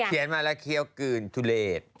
เขียนมาแล้วเคี้ยวกลืนทุเรศ